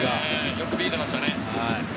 よく見えていましたね。